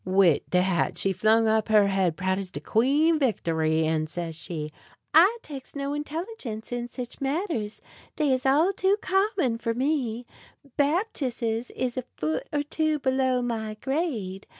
Wid dat she flung up her head proud as de Queen Victory, an' says she: "I takes no intelligence in sich matters; dey is all too common for me. Baptisses is a foot or two below my grade.